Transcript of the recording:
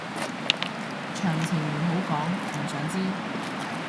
詳情唔好講，唔想知